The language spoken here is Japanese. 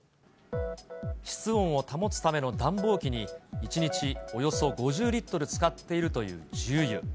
室温を保つための暖房機に、１日およそ５０リットル使っているという重油。